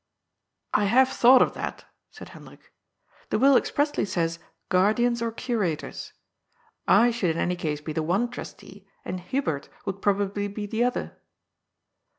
" "I have thought of that," said Hendrik. "The will expressly says ^guardians or curators.' I should in any case be the one trustee, and Hubert would probably be the other."